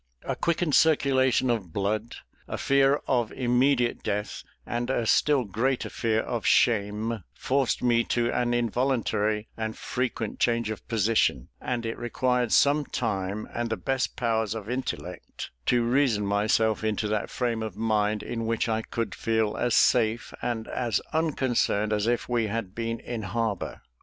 A quickened circulation of blood, a fear of immediate death, and a still greater fear of shame, forced me to an involuntary and frequent change of position; and it required some time, and the best powers of intellect, to reason myself into that frame of mind in which I could feel as safe and as unconcerned as if we had been in harbour.